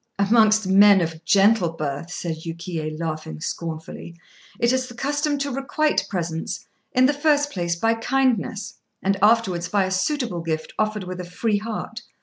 "Amongst men of gentle birth," said Yukiyé, laughing scornfully, "it is the custom to requite presents, in the first place by kindness, and afterwards by a suitable gift offered with a free heart.